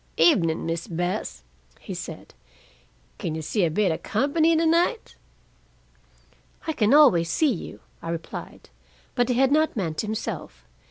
"Evening, Miss Bess," he said. "Can you see a bit of company to night?" "I can always see you," I replied. But he had not meant himself.